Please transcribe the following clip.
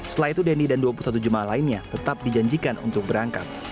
setelah itu denny dan dua puluh satu jemaah lainnya tetap dijanjikan untuk berangkat